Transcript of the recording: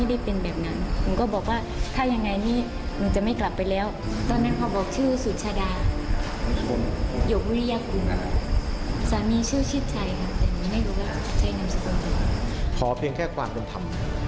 ขอเพียงแค่ความเป็นธรรม